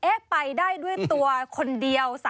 ไปได้ด้วยตัวคนเดียว